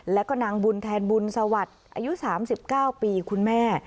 แล้วก็นางบุญแทนบุญสวัสดิ์อายุ๓๙ปีคุณแม่